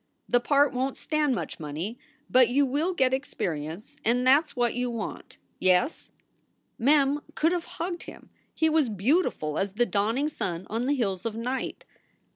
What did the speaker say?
The part won t stand much money, but you will get experience and that s what you want, yes?" Mem could have hugged him. He was beautiful as the dawning sun on the hills of night.